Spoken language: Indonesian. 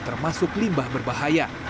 termasuk limbah berbahaya